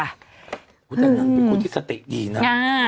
คุณนางงามเป็นคนที่สติดีน้ำ